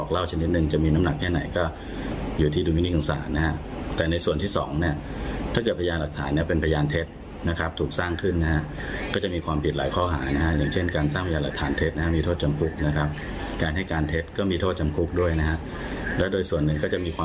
และโดยส่วนหนึ่งก็จะมีความผิดตามประบอบคอมด้วยนะครับ